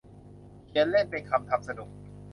เขียนเล่น เป็นคำ ทำสนุก